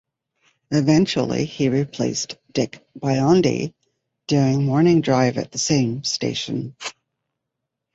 Eventually, he replaced Dick Biondi doing morning drive at the same station.